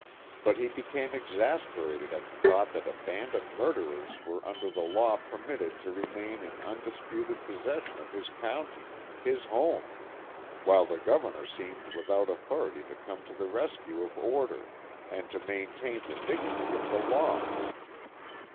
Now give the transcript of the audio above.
But he became exasperated at the thought that a band of murderers were under the law permitted to remain in undisputed possession of his county, his home, while the Governor seemed without authority to come to the rescue of order and to maintain the dignity of the law.